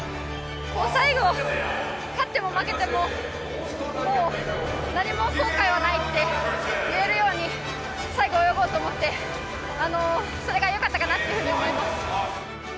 最後、勝っても負けても、もう何も後悔はないって言えるように、最後泳ごうと思って、それがよかったかなっていうふうに思います。